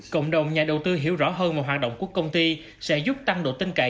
cộng đồng nhà đầu tư hiểu rõ hơn vào hoạt động của công ty sẽ giúp tăng độ tin cậy